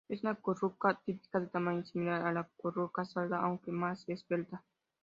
Es una curruca típica, de tamaño similar a la curruca sarda aunque más esbelta.